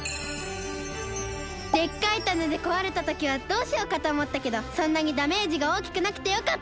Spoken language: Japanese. でっかいタネでこわれたときはどうしようかとおもったけどそんなにダメージがおおきくなくてよかった。